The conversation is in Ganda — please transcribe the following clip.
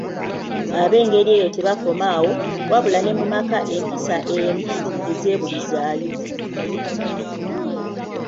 Ab'engeri eyo tebakoma awo, wabula ne mu maka empisa embi tezeebulizaayo.